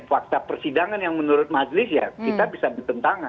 fakta persidangan yang menurut majlis ya kita bisa bertentangan